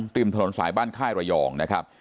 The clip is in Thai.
ริมถนนสายบ้านค่ายระยองนะครับ